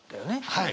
はい。